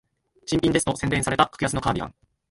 新品ですと宣伝された格安のカーディガン